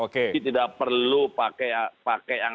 tidak perlu pakai yang